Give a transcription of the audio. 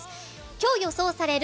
今日、予想される